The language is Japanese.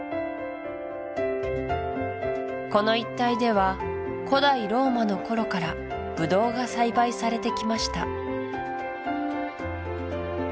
この一帯では古代ローマの頃からブドウが栽培されてきました